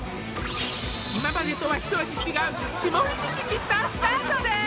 今までとはひと味違う「霜降りミキＸＩＴ」スタートです！